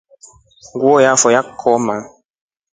Nguo yafa yajikoma.